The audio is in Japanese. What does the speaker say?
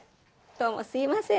どうもすいません。